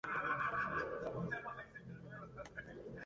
Para salvar al mundo, Raz va a tener que desarrollar sus poderes mentales.